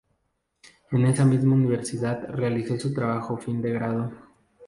En esa misma universidad realizó su trabajo fin de grado.